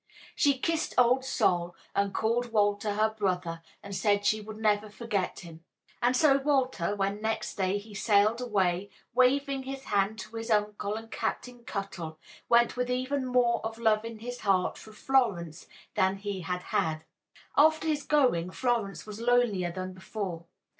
She kissed Old Sol and called Walter her brother, and said she would never forget him. And so Walter, when next day he sailed away, waving his hand to his uncle and Captain Cuttle, went with even more of love in his heart for Florence than he had had. After his going Florence was lonelier than before.